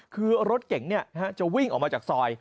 คือรถเก่งจะวิ่งออกมาจากซอย